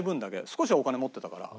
少しはお金持ってたから。